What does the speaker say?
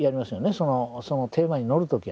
そのテーマにのる時はね。